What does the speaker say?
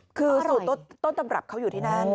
คือสูตรต้นตำรับเขาอยู่ที่นั่น